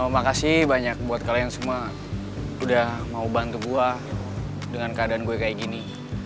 makasih banyak buat kalian semua udah mau bantu gue dengan keadaan gue kayak gini